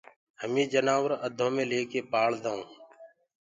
همي جنآور اڌو مي ليڪي پآݪدآئونٚ